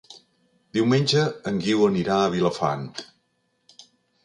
Diumenge en Guiu anirà a Vilafant.